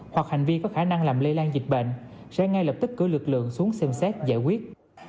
hoặc hành vi có khả năng làm lây lan dịch bệnh sẽ ngay lập tức cử lực lượng xuống xem xét giải quyết